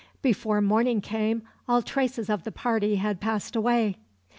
Before morning came all traces of the party had passed away.